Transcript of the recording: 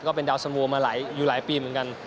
ก็เป็นดาวสันโวมาอยู่หลายปีเหมือนกัน